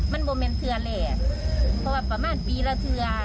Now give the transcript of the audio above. มันบ่มันเธอเลยอ่ะเพราะว่าประมาณปีละเธอ